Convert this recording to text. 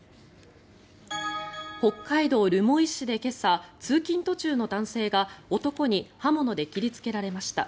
北海道留萌市で今朝通勤途中の男性が男に刃物で切りつけられました。